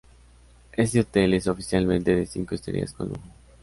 Este hotel es oficialmente de cinco estrellas con lujo.